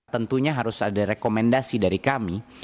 tentunya harus ada rekomendasi dari kami